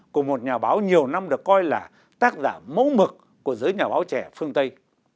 của một nhà báo nhiều năm được coi là tác giả mẫu mực của giới nhà báo trẻ phương tây